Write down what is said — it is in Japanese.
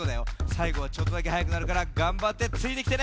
さいごはちょっとだけはやくなるからがんばってついてきてね。